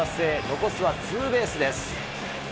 残すはツーベースです。